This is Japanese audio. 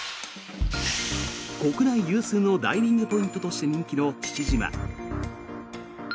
国内有数のダイビングポイントとして人気の父島。